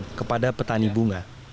langsung kepada petani bunga